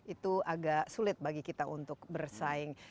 itu agak sulit bagi kita untuk bersaing